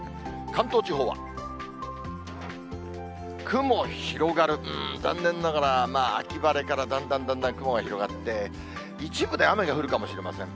関東地方は雲広がる、うーん、残念ながら、まあ秋晴れからだんだんだんだん雲が広がって、一部で雨が降るかもしれません。